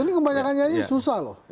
ini kebanyakan nyanyi susah loh